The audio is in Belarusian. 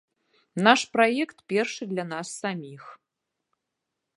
Наш праект першы для нас саміх!